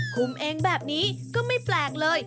คุมเองแบบนี้ก็ไม่แปลกเลย